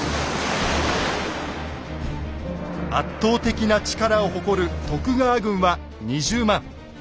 圧倒的な力を誇る徳川軍は２０万。